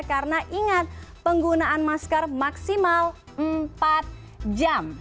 karena ingat penggunaan masker maksimal empat jam